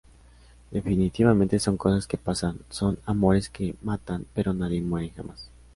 Definitivamente son cosas que pasan, son "Amores que matan" pero nadie muere jamás.